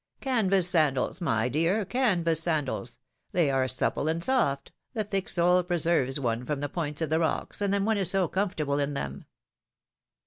^ Canvas sandals, my dear, canvas sandals ! They are supple and soft, the thick sole preserves one from the points of the rocks, and then one is so comfortable in them